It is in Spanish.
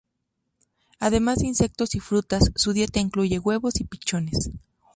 Además de insectos y frutas, su dieta incluye huevos y pichones.